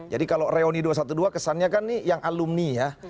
jadi kalau reuni dua satu dua kesannya kan nih yang alumni ya